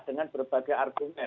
dengan berbagai argumen